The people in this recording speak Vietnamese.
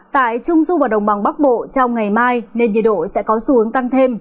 tại trung du và đồng bằng bắc bộ trong ngày mai nền nhiệt độ sẽ có xu hướng tăng thêm